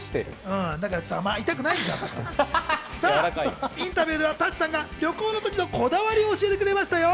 さあ、インタビューでは舘さんが旅行に行くときのこだわりを教えてくれましたよ。